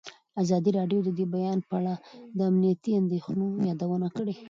ازادي راډیو د د بیان آزادي په اړه د امنیتي اندېښنو یادونه کړې.